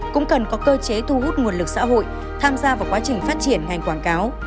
cũng cần có cơ chế thu hút nguồn lực xã hội tham gia vào quá trình phát triển ngành quảng cáo